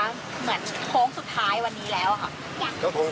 เหมือนโค้งสุดท้ายวันนี้แล้วค่ะ